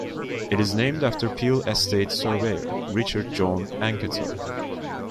It is named after Peel Estate's surveyor, Richard John Anketell.